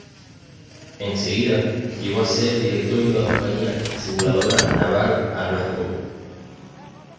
En seguida, llegó a ser director de una compañía aseguradora naval a Glasgow.